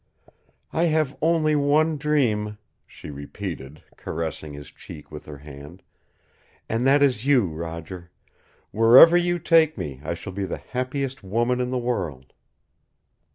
"I have only one dream," she repeated, caressing his cheek with her hand, "and that is you, Roger. Where ever you take me I shall be the happiest woman in the world."